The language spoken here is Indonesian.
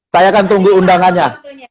saya akan tunggu undangannya